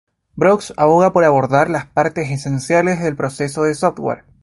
Brooks aboga por abordar las partes esenciales del proceso de "software".